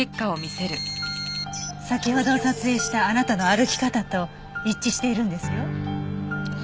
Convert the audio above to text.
先ほど撮影したあなたの歩き方と一致しているんですよ。